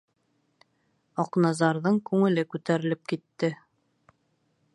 Аҡназарҙың күңеле күтәрелеп китте.